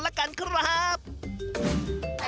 โรงโต้งคืออะไร